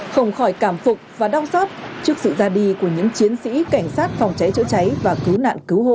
không khỏi cảm phục và đau xót trước sự ra đi của những chiến sĩ cảnh sát phòng cháy chữa cháy và cứu nạn cứu hộ